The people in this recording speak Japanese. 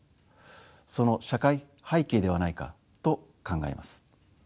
その社会背景ではないかと考えます。